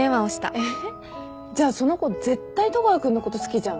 えっじゃあその子絶対戸川君のこと好きじゃん。